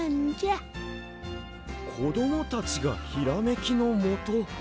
こどもたちがひらめきのもと。